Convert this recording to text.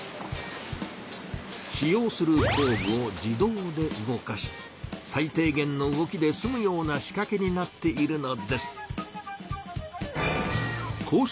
使用する工具を自動で動かし最低げんの動きですむような仕掛けになっているのです。